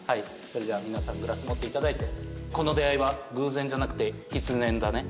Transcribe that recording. それじゃあ皆さんグラス持って頂いてこの出会いは偶然じゃなくて必然だね。